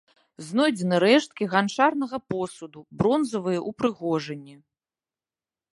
Знойдзены рэшткі ганчарнага посуду, бронзавыя ўпрыгожанні.